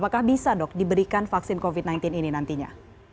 apakah bisa dok diberikan vaksin covid sembilan belas ini nantinya